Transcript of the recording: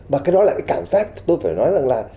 và cái đó là cái cảm giác tôi phải nói rằng là